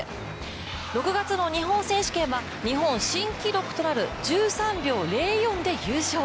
６月の日本選手権は日本新記録となる１３秒０４で優勝。